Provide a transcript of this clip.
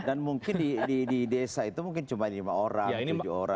dan mungkin di desa itu mungkin cuma lima orang tujuh orang